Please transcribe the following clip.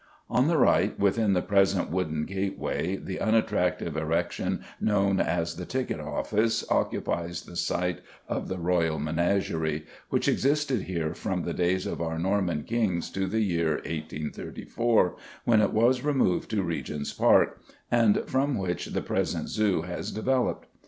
On the right, within the present wooden gateway, the unattractive erection known as the "ticket office" occupies the site of the royal menagerie, which existed here from the days of our Norman kings to the year 1834, when it was removed to Regent's Park, and from which the present Zoo has developed.